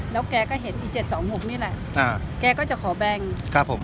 แล้วแกก็เห็นอีก๗๒๖นี่แหละแกก็จะขอแบงค์